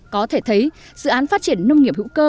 có thể thấy dự án phát triển nông nghiệp hữu cơ